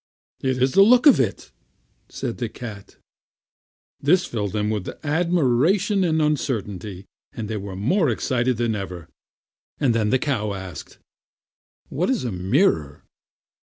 "It is the looks of it," said the cat. This filled them with admiration and uncertainty, and they were more excited than ever. Then the cow asked: "What is a mirror?"